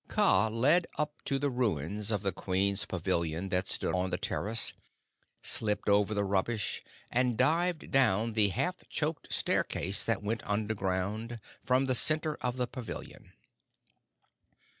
Kaa led up to the ruins of the queen's pavilion that stood on the terrace, slipped over the rubbish, and dived down the half choked staircase that went underground from the center of the pavilion.